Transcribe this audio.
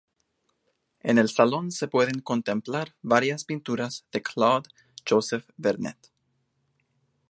En el salón se pueden contemplar varias pinturas de Claude Joseph Vernet.